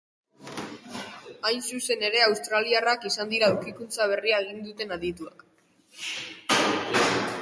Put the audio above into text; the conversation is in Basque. Hain zuzen ere australiarrak izan dira aurkikuntza berria egin duten adituak.